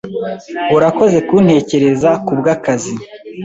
Urakoze kuntekereza kubwakazi.